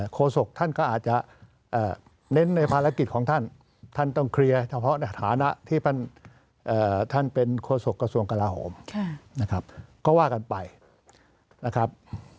โศกท่านก็อาจจะเน้นในภารกิจของท่านท่านต้องเคลียร์เฉพาะในฐานะที่ท่านเป็นโฆษกระทรวงกลาโหมนะครับก็ว่ากันไปนะครับ